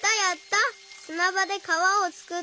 すなばでかわをつくったりしたよ。